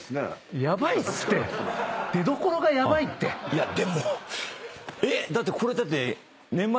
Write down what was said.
いやでもえっ⁉だってこれ。